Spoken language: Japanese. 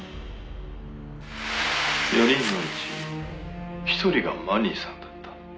「４人のうち一人がマニーさんだった？」